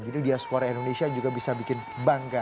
jadi dia suara indonesia juga bisa bikin bangga